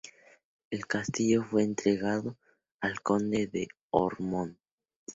El castillo fue entregado al Conde de Ormond.